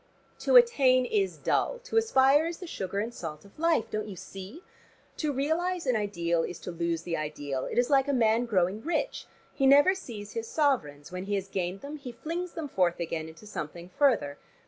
To attain is dull, to aspire is the sugar and salt of life. Don't you see? To realize an ideal is to lose the ideal. It is like a man growing rich: he never sees his sovereigns: when he has gained them he flings them forth again into something further.